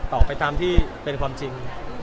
ออกไปตามที่เป็นความจริง